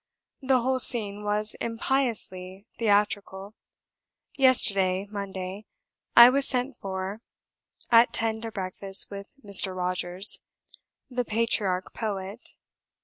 The whole scene was impiously theatrical. Yesterday (Monday) I was sent for at ten to breakfast with Mr. Rogers, the patriarch poet.